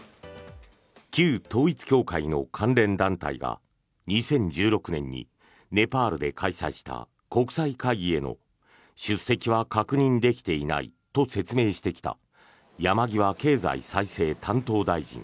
旧統一教会の関連団体が２０１６年にネパールで開催した国際会議への出席は確認できていないと説明してきた山際経済再生担当大臣。